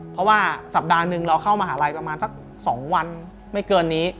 เพราะว่าสัปดาห์หนึ่งเราเข้ามหาลัยประมาณสัก๒วันไม่เกินนี้